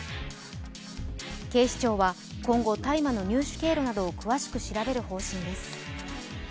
警視庁は今後、大麻の入手経路などを詳しく調べる方針です。